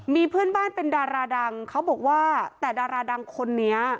มีเพื่อนบ้านเป็นดาราดังเขาบอกว่าแต่ดาราดังคนนี้